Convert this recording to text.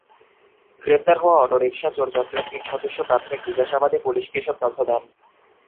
গ্রেপ্তার হওয়া অটোরিকশা চোরচক্রের তিন সদস্য প্রাথমিক জিজ্ঞাসাবাদে পুলিশকে এসব তথ্য দেন।